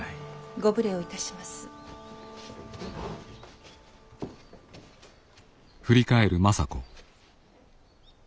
ご無礼をいたします。